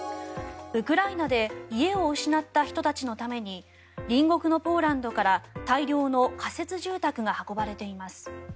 ウクライナで家を失った人たちのために隣国のポーランドから大量の仮設住宅が運ばれています。